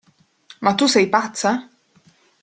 Ma tu sei pazza?